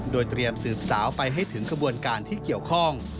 โดยเตรียมสืบสาวไปให้ถึงขบวนการที่เกี่ยวข้อง